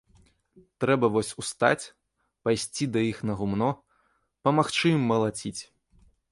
Трэба вось устаць, пайсці да іх на гумно, памагчы ім малаціць.